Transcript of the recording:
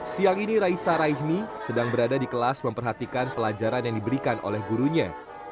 siang ini raisa raihmi sedang berada di kelas memperhatikan pelajaran yang diberikan oleh gurunya